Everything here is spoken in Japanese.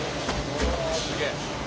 うわすげえ。